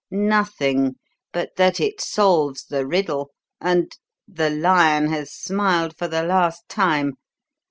"Nothing, but that it solves the riddle, and the lion has smiled for the last time!